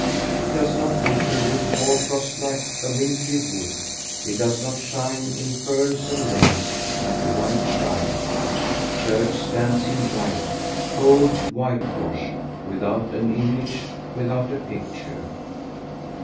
It does not glitter with hoar frost like a wintry wood ; it does not shine in pearls and lace like a white bride. The church stands in white, cold whitewash, without an image, without a picture.